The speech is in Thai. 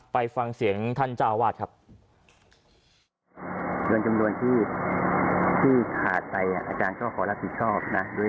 ไปฟังเสียงท่านเจ้าวาดครับ